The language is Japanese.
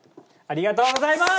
ありがとうございます！